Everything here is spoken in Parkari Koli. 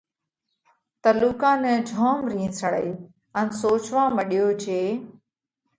تلُوڪا نئہ جوم رِينه سڙئِي ان سوچوا مڏيو جي